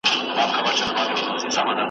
نوم چي دي پر زړه لیکم څوک خو به څه نه وايي .